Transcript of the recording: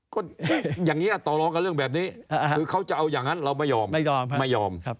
ก็อย่างนี้ต่อรองกับเรื่องแบบนี้คือเขาจะเอาอย่างนั้นเราไม่ยอมไม่ยอม